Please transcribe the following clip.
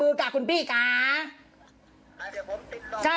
เลขบัญชีธนาคาร